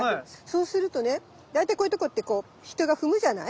そうするとね大体こういうとこってこう人が踏むじゃない？